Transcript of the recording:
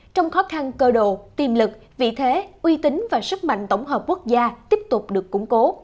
trong khó khăn cơ đồ tiềm lực vị thế uy tín và sức mạnh tổng hợp quốc gia tiếp tục được củng cố